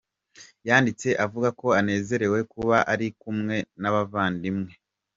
Yanditse avuga ko anezerewe kuba ari kumwe n’abavandimwe.